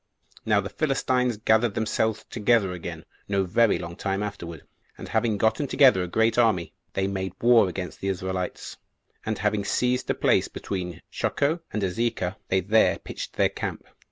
1. Now the Philistines gathered themselves together again no very long time afterward; and having gotten together a great army, they made war against the Israelites; and having seized a place between Shochoh and Azekah, they there pitched their camp.